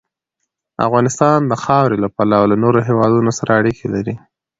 افغانستان د خاورې له پلوه له نورو هېوادونو سره اړیکې لري.